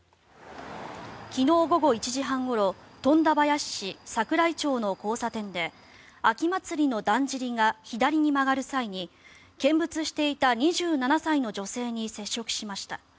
昨日午後１時半ごろ富田林市桜井町の交差点で秋祭りのだんじりが左に曲がる際に見物していた２７歳の女性に接触しました。